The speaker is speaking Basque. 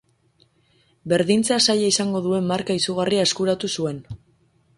Berdintzea zaila izango duen marka izugarria eskuratu zuen.